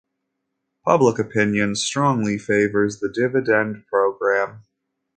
Public opinion strongly favors the Dividend program.